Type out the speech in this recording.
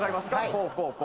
こうこうこう。